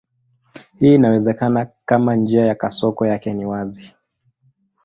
Hii inawezekana kama njia ya kasoko yake ni wazi.